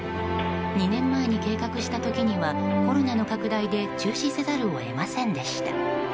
２年前に計画した時にはコロナの拡大で中止せざるを得ませんでした。